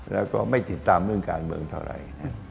แล้วก็ไม่ติดตามเรื่องการเมืองเท่าไหร่